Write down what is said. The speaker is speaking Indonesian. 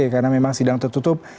karena memang sidang tertutup